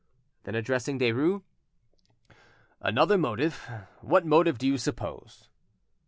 Then addressing Derues— "Another motive? What motive do you suppose?"